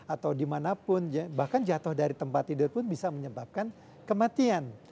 atau dimanapun bahkan jatuh dari tempat tidur pun bisa menyebabkan kematian